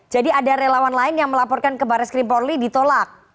jadi ada relawan lain yang melaporkan ke baras krim polri ditolak